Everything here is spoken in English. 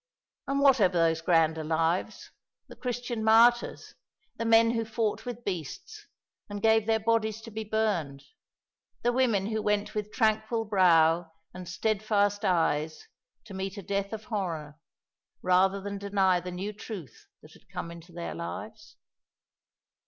And what of those grander lives, the Christian martyrs, the men who fought with beasts, and gave their bodies to be burned, the women who went with tranquil brow and steadfast eyes to meet a death of horror, rather than deny the new truth that had come into their lives?